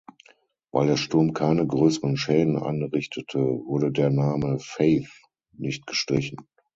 Weil der Sturm keine größeren Schäden anrichtete, wurde der Name "Faith" nicht gestrichen.